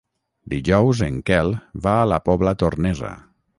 Dijous en Quel va a la Pobla Tornesa.